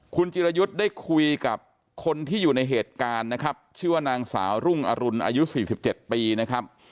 คุณจิรยุทธ์ได้คุยกับคนที่อยู่ในเหตุการณ์นะครับชื่อว่านางสาวรุ่งอรุณอายุ๔๗ปีนะครับ